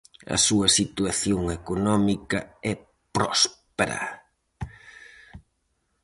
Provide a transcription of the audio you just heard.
A súa situación económica é próspera.